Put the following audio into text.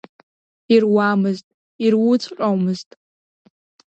Ируамызт, ируҵәҟьомызт.